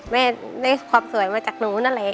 แม่ได้ความสวยมาจากนู้นนั่นแหละ